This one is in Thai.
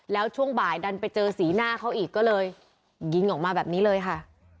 แล้วช่วงบ่ายดันไปเจอสีหน้าเขาอีกก็เลยยิงออกมาแบบนี้เลยค่ะ